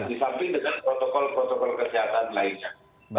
ya disamping dengan protokol protokol kesehatan lainnya